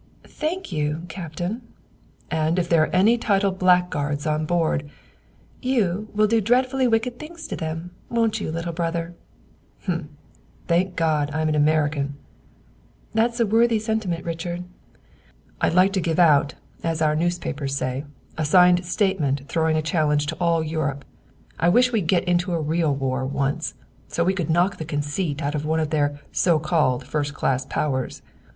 "Thank you, Captain." "And if there are any titled blackguards on board " "You will do dreadfully wicked things to them, won't you, little brother?" "Humph! Thank God, I'm an American!" "That's a worthy sentiment, Richard." "I'd like to give out, as our newspapers say, a signed statement throwing a challenge to all Europe. I wish we'd get into a real war once so we could knock the conceit out of one of their so called first class powers.